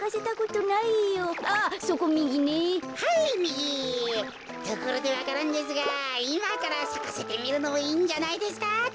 ところでわか蘭ですがいまからさかせてみるのもいいんじゃないですか？